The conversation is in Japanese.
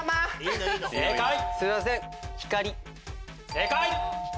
正解！